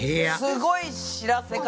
すごい知らせ方。